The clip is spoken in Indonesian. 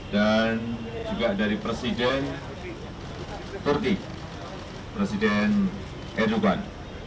dan juga dari presiden turki presiden edukan